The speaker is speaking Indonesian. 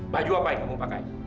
baju apa yang kamu pakainya